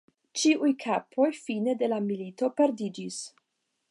Ĉiuj kapoj fine de la milito perdiĝis.